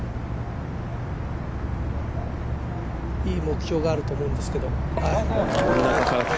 いい目標があると思うんですけど。